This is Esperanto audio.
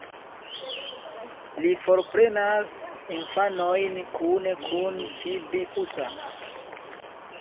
Li forprenas infanojn kune kun Ĉibi-usa.